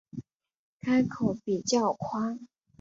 开口比较宽